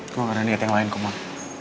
gue gak inget enggak yang lain komad